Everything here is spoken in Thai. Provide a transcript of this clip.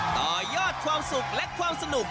ต่อยอดความสุขและความสนุก